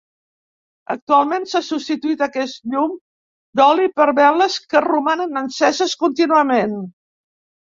Actualment s'ha substituït aquest llum d'oli per veles que romanen enceses contínuament.